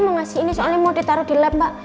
mau ngasih ini soalnya mau ditaruh di lab mbak